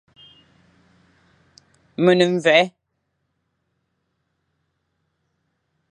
Me ne mvoè;